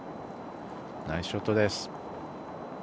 ナイスショットです。